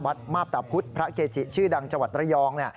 วัดมาปตาพุธพระเกจิชื่อดังจวัตรระยอง